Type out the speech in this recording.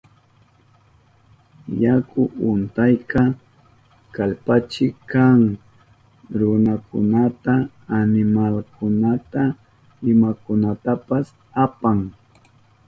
Yaku untayka kallpachik kan, runakunata, animalkunata, imakunatapas apan.